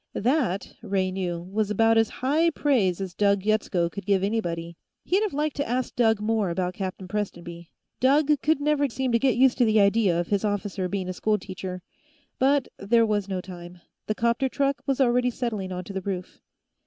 That, Ray knew, was about as high praise as Doug Yetsko could give anybody. He'd have liked to ask Doug more about Captain Prestonby Doug could never seem to get used to the idea of his officer being a schoolteacher but there was no time. The 'copter truck was already settling onto the roof.